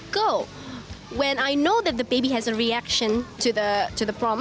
saat saya tahu bahwa bayi memiliki reaksi terhadap problem